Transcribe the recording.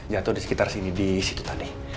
jatuh disekitar sini disitu tadi